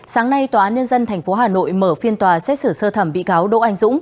sáng nay tòa án nhân dân tp hà nội mở phiên tòa xét xử sơ thẩm bị cáo đỗ anh dũng